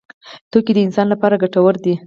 توکي د انسان لپاره ګټور دي.